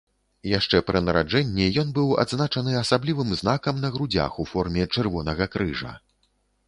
Яшчэ пры нараджэнні ён быў адзначаны асаблівым знакам на грудзях у форме чырвонага крыжа.